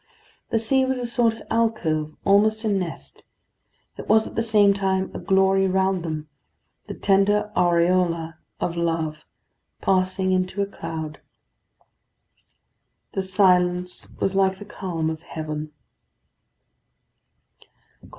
The seat was a sort of alcove, almost a nest; it was at the same time a glory round them; the tender aureola of love passing into a cloud. The silence was like the calm of heaven.